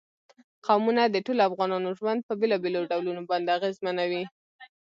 قومونه د ټولو افغانانو ژوند په بېلابېلو ډولونو باندې اغېزمنوي.